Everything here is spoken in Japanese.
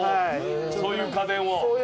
そういう家電を。